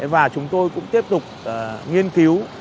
và chúng tôi cũng tiếp tục nghiên cứu